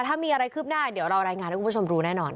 ถ้ามีอะไรขึ้บหน้าเราลายงานให้คุณผู้ชมรู้แน่นอน